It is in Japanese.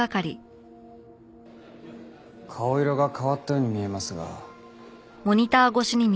顔色が変わったように見えますが。